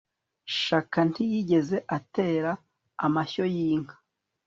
shaka ntiyigeze atera amashyo y'inka